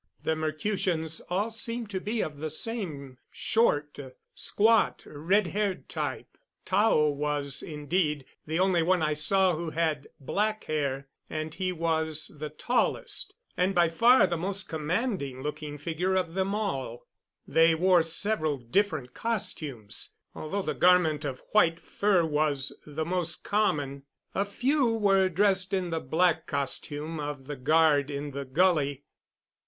The Mercutians all seemed to be of the same short, squat, red haired type. Tao was, indeed, the only one I saw who had black hair; and he was the tallest, and by far the most commanding looking figure of them all. They wore several different costumes, although the garment of white fur was the most common. A few were dressed in the black costume of the guard in the gully.